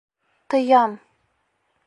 Тоям!